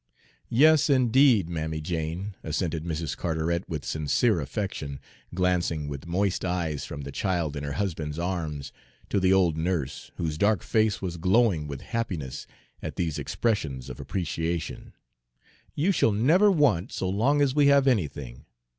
"Yes, indeed, Mammy Jane," assented Mrs. Carteret, with sincere affection, glancing with moist eyes from the child in her husband's arms to the old nurse, whose dark face was glowing with happiness at these expressions of appreciation, "you shall never want so long as we have anything.